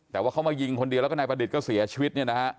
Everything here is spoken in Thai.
แต่ว่าเขามายิงคนเดียวแล้วก็นายประดิษฐ์ก็เสียชีวิตเนี่ยนะฮะ